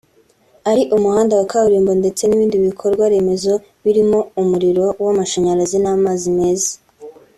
ari umuhanda wa Kaburimbo ndetse n’ibindi bikorwa remezo birimo umuriro w’amashanyarazi n’amazi meza